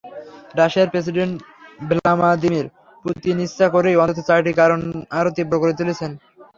রাশিয়ার president Vladimir Putin ইচ্ছা করেই অন্তত চারটি কারণ আরও তীব্র করে তুলেছেন।